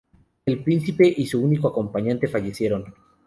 El príncipe y su único acompañante fallecieron.